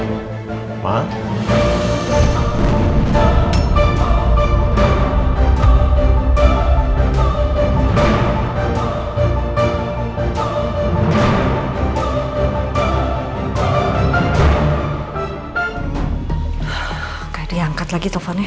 gak ada yang angkat lagi teleponnya